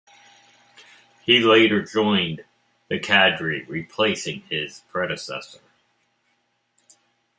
He later joined the Cadre, replacing his predecessor.